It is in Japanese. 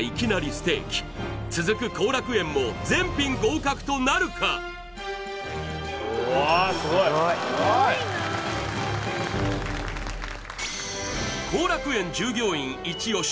ステーキ続く幸楽苑も全品合格となるかすごいな幸楽苑従業員イチ押し